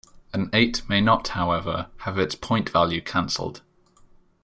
An eight may not, however, have its point value canceled.